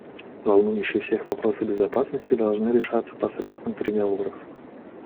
Волнующие всех вопросы безопасности должны решаться посредством переговоров.